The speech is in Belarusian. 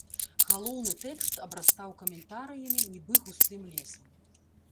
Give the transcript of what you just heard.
Галоўны тэкст абрастаў каментарыямі, нібы густым лесам.